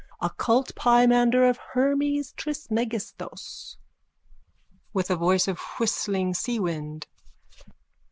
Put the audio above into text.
Occult pimander of Hermes Trismegistos. _(With a voice of whistling seawind.)